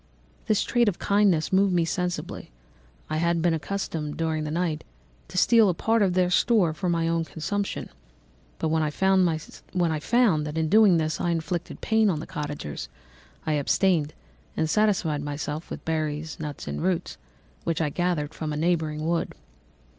"This trait of kindness moved me sensibly. I had been accustomed, during the night, to steal a part of their store for my own consumption, but when I found that in doing this I inflicted pain on the cottagers, I abstained and satisfied myself with berries, nuts, and roots which I gathered from a neighbouring wood.